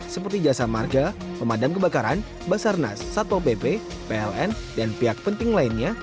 seperti jasa marga pemadam kebakaran basarnas satpol pp pln dan pihak penting lainnya